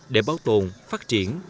để bảo tồn phát triển